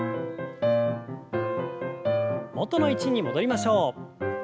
元の位置に戻りましょう。